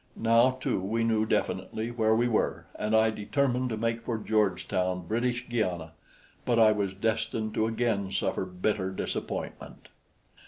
Now, too, we knew definitely where we were, and I determined to make for Georgetown, British Guiana but I was destined to again suffer bitter disappointment.